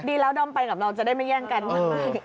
ดีแล้วดอมไปกับเราจะได้ไม่แย่งกัน